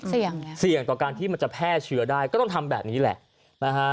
เสี่ยงเสี่ยงต่อการที่มันจะแพร่เชื้อได้ก็ต้องทำแบบนี้แหละนะฮะ